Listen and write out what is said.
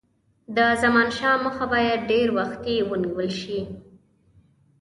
د زمانشاه مخه باید ډېر وختي ونیوله شي.